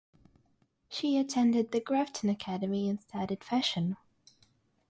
She attended the Grafton Academy and studied fashion.